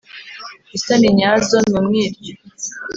Isoni nyazo n’umwiryo